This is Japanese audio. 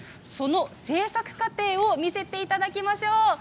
その制作過程を見せていただきましょう。